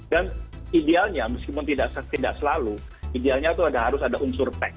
dan idealnya meskipun tidak selalu idealnya itu ada harus ada unsur tech